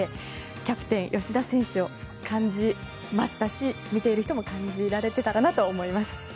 キャプテン吉田選手を感じましたし見ている人も感じられてたかなと思います。